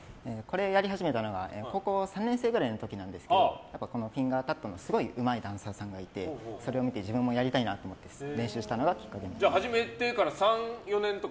やり始めたのは高校３年生くらいのころなんですけどフィンガータットのすごいうまいダンサーさんがいてそれを見て自分もやりたいなと思って始めてから３４年？